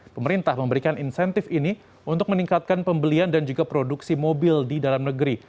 pemerintah memberikan insentif ini untuk meningkatkan pembelian dan juga produksi mobil di dalam negeri